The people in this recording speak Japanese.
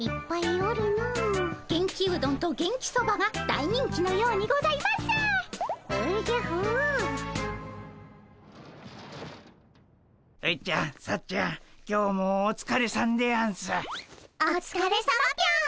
おつかれさまぴょん。